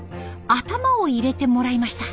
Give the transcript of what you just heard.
頭を入れてもらいました。